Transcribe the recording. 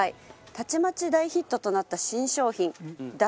たちまち大ヒットとなった新商品ダッチオーブン。